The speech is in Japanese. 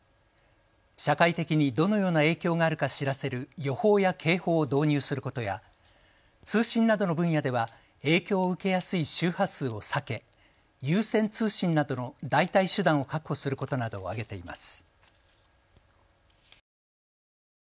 社会的にどのような影響があるか知らせる予報や警報を導入することや、通信などの分野では影響を受けやすい周波数を避け優先通信などの代替手段を確保することなどを挙げています。